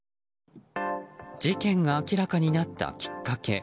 事件が明らかになったきっかけ。